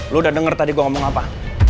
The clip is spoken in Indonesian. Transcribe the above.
lu udah denger tadi gue ngomong apa